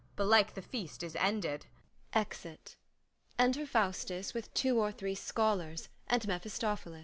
belike the feast is ended. [Exit.] Enter FAUSTUS with two or three SCHOLARS, and MEPHISTOPHILIS.